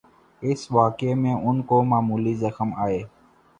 اس واقعے میں ان کو معمولی زخم آئے۔